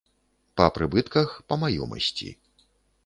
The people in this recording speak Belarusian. Па прыбытках, па маёмасці.